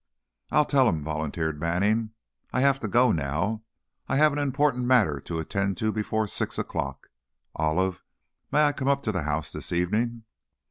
"I'll tell him," volunteered Manning. "I have to go now, I've an important matter to attend to before six o'clock. Olive, may I come up to the house this evening?"